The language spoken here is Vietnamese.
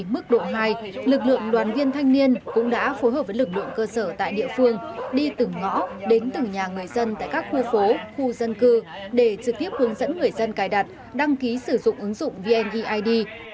mức độ hai lực lượng đoàn viên thanh niên cũng đã phối hợp với lực lượng cơ sở tại địa phương đi từng ngõ đến từng nhà người dân tại các khu phố khu dân cư để trực tiếp hướng dẫn người dân cài đặt đăng ký sử dụng ứng dụng vneid